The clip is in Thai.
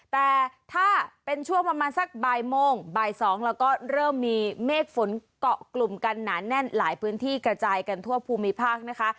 แต่ถ้าเป็นช่วงประมาณสักบ่ายโมงบ่าย๒แล้วก็เริ่มมีเมฆฝนเกาะกลุ่มกันหนาแน่นหลายพื้นที่กระจายกันทั่วภูมิภาคนะคะ